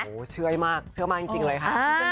โอ้โหเชื่อมากเชื่อมากจริงเลยค่ะ